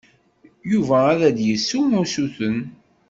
Yuba ad d-yessu usuten.